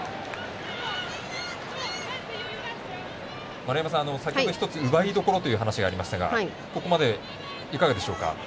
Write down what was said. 丸山さん、先ほど一つ奪いどころという話がありましたがここまでいかがでしょうか。